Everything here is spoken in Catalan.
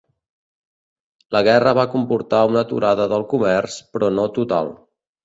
La guerra va comportar una aturada del comerç però no total.